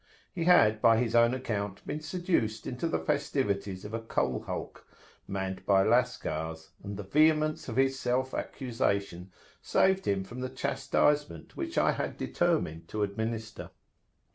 He had, by his own account, been seduced into the festivities of a coal hulk, manned by Lascars, and the vehemence of his self accusation saved him from the chastisement which I had determined to administer.